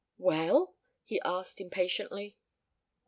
"Well?" he asked impatiently.